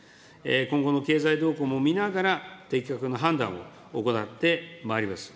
今後の経済動向も見ながら、的確な判断を行ってまいります。